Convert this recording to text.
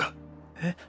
えっ？